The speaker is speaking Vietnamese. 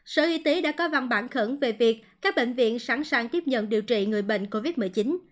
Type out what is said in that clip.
sở y tế đã có văn bản khẩn về việc các bệnh viện sẵn sàng tiếp nhận điều trị người bệnh covid một mươi chín